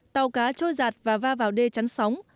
tàu cá trôi giạt và va vào đê chắn sóng